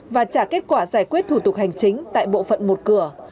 và trả kết quả giải quyết thủ tục hành chính tại bộ phận một cửa